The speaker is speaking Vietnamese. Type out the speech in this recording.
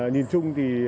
nhìn chung thì